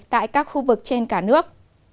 tại các khu vực trên cả nước